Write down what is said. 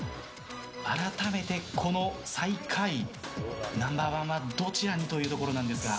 改めてこの最下位ナンバー１はどちらにというところですが。